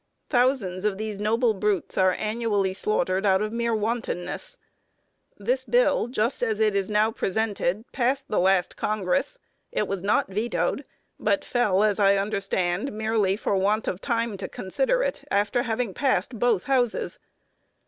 Thousands of these noble brutes are annually slaughtered out of mere wontonness. This bill, just as it is now presented, passed the last Congress. It was not vetoed, but fell, as I understand, merely for want of time to consider it after having passed both houses."